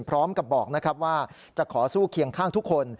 พร้อมกับบอกนะครับว่าจะขอสู้เคียงข้างทุกคน